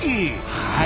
はい。